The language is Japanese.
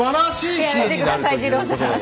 やめて下さい二朗さん。